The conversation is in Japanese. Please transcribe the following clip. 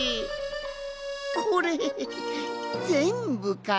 これぜんぶかね？